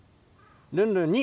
ルンルン２！